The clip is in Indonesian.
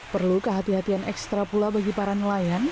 perlu kehati hatian ekstra pula bagi para nelayan